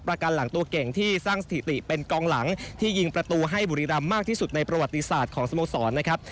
ประกันหลังตัวเก่งที่สร้างสถิติเป็นกองหลังที่ยิงประตูให้บุรีรำมากที่สุดในประวัติศาสตร์ของสโมสรนะครับ